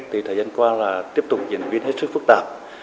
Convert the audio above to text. thì thời gian qua là tiếp tục diễn biến hết sức phức tạp